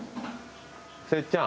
せっちゃん。